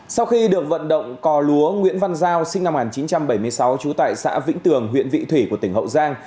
sau khi được vận động cò lúa nguyễn văn giao sinh năm một nghìn chín trăm bảy mươi sáu trú tại xã vĩnh tường huyện vị thủy của tỉnh hậu giang